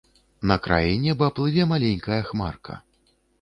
На краі неба плыве маленькая хмарка.